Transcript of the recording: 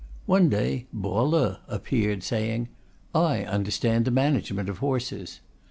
One day Po Lo appeared, saying: "I understand the management of horses."